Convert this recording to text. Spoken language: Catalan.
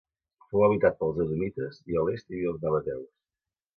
Fou habitat pels edomites i a l'est hi havia els nabateus.